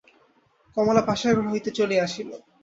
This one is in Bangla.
কমলা পাশের ঘর হইতে চলিয়া আসিল।